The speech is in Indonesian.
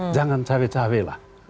jangan care care lah